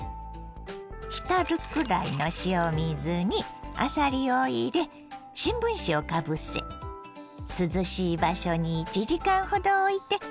浸るくらいの塩水にあさりを入れ新聞紙をかぶせ涼しい場所に１時間ほどおいて砂抜きをします。